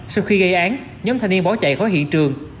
sau khi gây án nhóm thanh niên bỏ chạy khỏi hiện trường